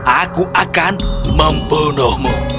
aku akan membunuhmu